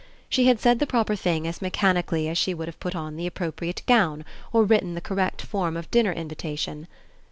She had said the proper thing as mechanically as she would have put on the appropriate gown or written the correct form of dinner invitation.